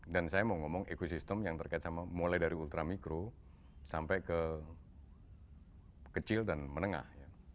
dan saya mau ngomong ekosistem yang terkait sama mulai dari ultra mikro sampai ke kecil dan menengah